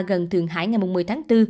gần thường hải ngày một mươi tháng bốn